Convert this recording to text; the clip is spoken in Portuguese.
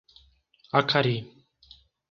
Acari